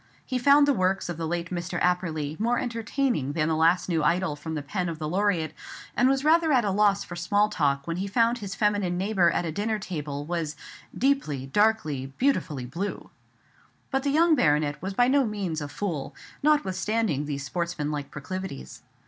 He found the works of the late Mr. Apperly more entertaining than the last new Idyl from the pen of the Laureate; and was rather at a loss for small talk when he found his feminine neighbour at a dinner table was "deeply, darkly, beautifully blue." But the young baronet was by no means a fool, notwithstanding these sportsmanlike proclivities.